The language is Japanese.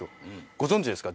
ご存じですか？